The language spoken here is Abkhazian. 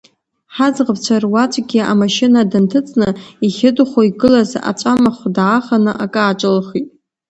Ҳаӡӷабцәа руаӡәгьы амашьына дынҭыҵны, ихьыдхәо игылаз аҵәамахә дааханы, акы ааҿылхит.